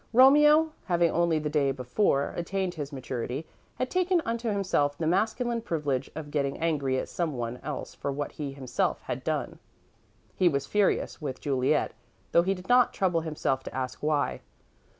Romeo, having only the day before attained his maturity, had taken unto himself the masculine privilege of getting angry at someone else for what he himself had done. He was furious with Juliet, though he did not trouble himself to ask why.